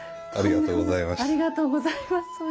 ありがとうございます。